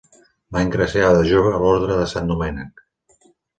Va ingressar de jove a l'Orde de Sant Domènec.